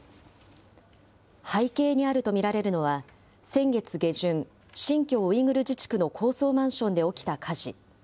背景にあると見られるのは、先月下旬、新疆ウイグル自治区の高層マンションで起きた火事。